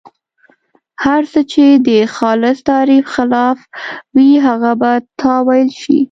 هر څه چې د خالص تعریف خلاف وي هغه به تاویل شي.